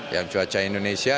yang cuaca indonesia